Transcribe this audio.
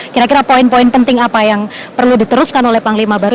kira kira poin poin penting apa yang perlu diteruskan oleh panglima baru